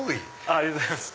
ありがとうございます。